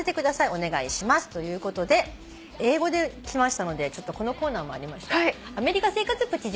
お願いします」ということで英語で来ましたのでこのコーナー参りましょう。